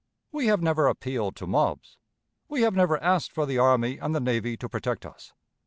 We have never appealed to mobs. We have never asked for the army and the navy to protect us.